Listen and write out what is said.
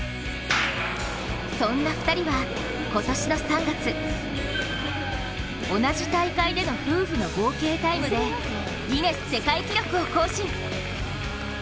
そんな２人は今年の３月同じ大会での夫婦の合計タイムでギネス世界記録を更新。